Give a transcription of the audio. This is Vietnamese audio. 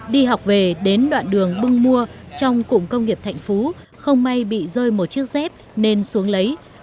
đi học về đến đoạn đường bưng mua trong cụm công nghiệp thạnh phú không may bị rơi một chiếc dép nên xuống lấy